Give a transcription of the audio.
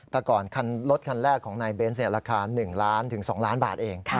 แต่ก่อนรถคันแรกของนายเบนส์ราคา๑ล้านถึง๒ล้านบาทเอง